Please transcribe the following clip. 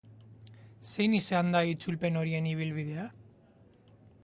Zein izan da itzulpen horien ibilbidea?